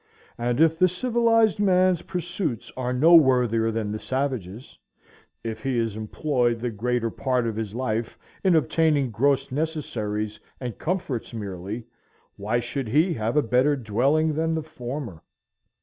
And _if the civilized man's pursuits are no worthier than the savage's, if he is employed the greater part of his life in obtaining gross necessaries and comforts merely, why should he have a better dwelling than the former?